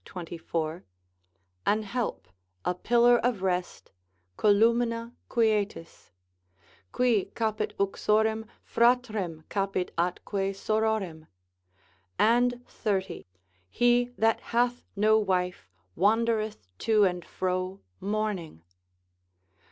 24), an help, a pillar of rest, columina quietis, Qui capit uxorem, fratrem capit atque sororem. And 30, He that hath no wife wandereth to and fro mourning.